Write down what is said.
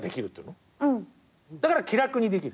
だから気楽にできる。